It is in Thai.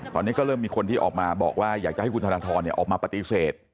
ตอนนี้ก็เริ่มมีคนที่ออกมาบอกว่าอยากจะให้คุณธนทรออกมาปฏิเสธ